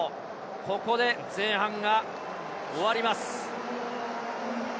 ここで前半が終わります。